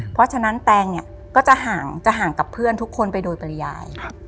เพราะฉะนั้นแตงเนี่ยก็จะห่างจะห่างกับเพื่อนทุกคนไปโดยปริยาย